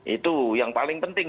itu yang paling penting